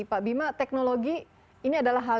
pak bima teknologi ini adalah hal